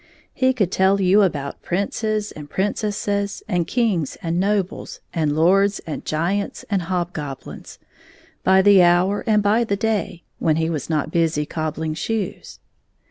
He could tell you about princes and princesses, and kings and nobles, and lords and giants and hob goblins, by the hour and by the day, when he was not busy cobbling shoes.